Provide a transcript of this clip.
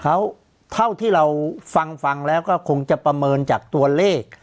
เขาเท่าที่เราฟังฟังแล้วก็คงจะประเมินจากตัวเลข